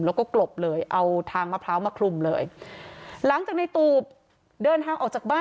แล้วก็กลบเลยเอาทางมะพร้าวมาคลุมเลยหลังจากในตูบเดินทางออกจากบ้าน